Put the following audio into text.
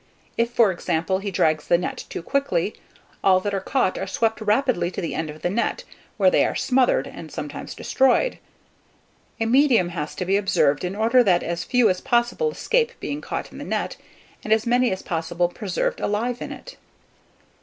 If, for example, he drags the net too quickly, all that are caught are swept rapidly to the end of the net, where they are smothered, and sometimes destroyed. A medium has to be observed, in order that as few as possible escape being caught in the net, and as many as possible preserved alive in it.